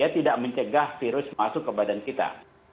tidak mencegah virus masuk ke badan kita